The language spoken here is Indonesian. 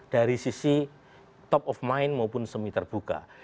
dari sisi top of mind maupun semi terbuka